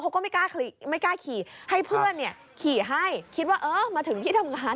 ก็ไม่กล้าขี่ให้เพื่อนเนี่ยขี่ให้คิดว่าเออมาถึงที่ทำงาน